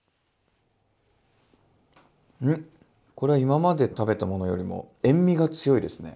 うんこれは今まで食べたものよりも塩味が強いですね。